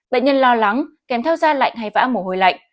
bệnh nhân lo lắng kèm theo da lạnh hay vã mồ hôi lạnh